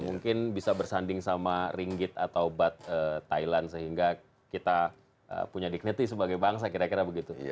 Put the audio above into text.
mungkin bisa bersanding sama ringgit atau bat thailand sehingga kita punya dignity sebagai bangsa kira kira begitu